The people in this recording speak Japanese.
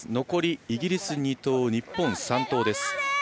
残りイギリス、２投日本、３投です。